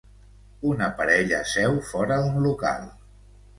Una parella seu fora d'un local.